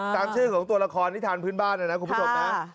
ตามชื่อของตัวละครที่ทานพื้นบ้านนะนะคุณผู้ชมนะ